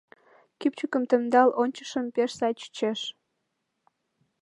Кӱпчыкым темдал ончышым, пеш сай чучеш...